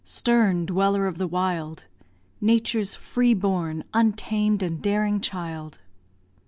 stern dweller of the wild! Nature's free born, untamed, and daring child!